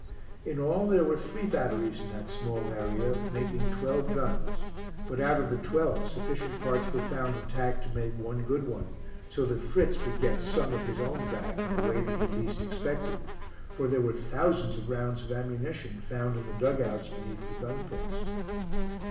In all there were three batteries in that small area, making twelve guns. But out of the twelve sufficient parts were found intact to make one good one, so that Fritz would get "some of his own" back in a way that he least expected; for there were thousands of rounds of ammunition found in the dug outs beneath the gun pits.